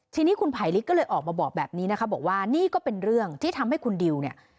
ทีนี้คุณไผลฤทธิก็เลยออกมาบอกแบบนี้นะคะบอกว่านี่ก็เป็นเรื่องที่ทำให้คุณดิวเนี่ย